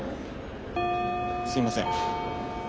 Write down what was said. すみません。